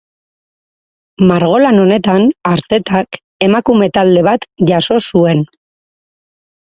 Margolan honetan Artetak emakume talde bat jaso zuen.